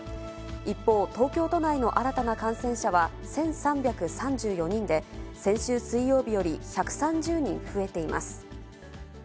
一方、東京都内の新たな感染者は１３３４人で、先週水曜日より１３０人増えています。